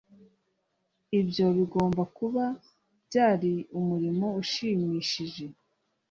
ibyo bigomba kuba byari umurimo ushimishije